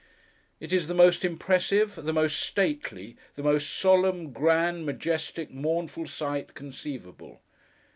It is the most impressive, the most stately, the most solemn, grand, majestic, mournful sight, conceivable.